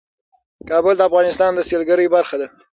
کابل د افغانستان د سیلګرۍ برخه ده.